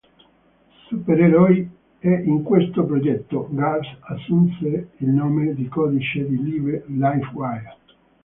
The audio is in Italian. Supereroi", e in questo progetto, Garth assunse il nome in codice di Live Wire.